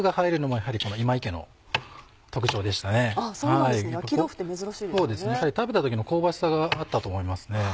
やはり食べた時の香ばしさがあったと思いますね。